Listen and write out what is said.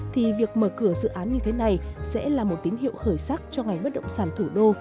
thì việc mở cửa dự án như thế này sẽ là một tín hiệu khởi sắc cho ngày bất động sản thủ đô